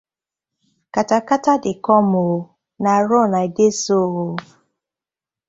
Katakata dey com ooo, na run I dey so ooo.